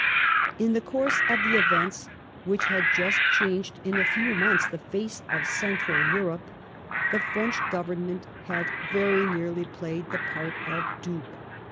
In the course of the events which had just changed in a few months the face of Central Europe, the French Government had very the^Treat^^ nearly played the part of dupe.